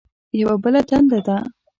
یوه بله دنده ده.